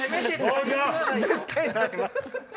絶対なります！